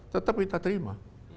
tetap kita terima